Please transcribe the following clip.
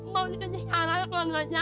mau ikut istana tuan raja